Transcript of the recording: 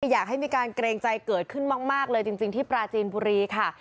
อยากให้มีการเกรงใจเกิดขึ้นมากเลยจริงที่ปราจีนบุรีค่ะ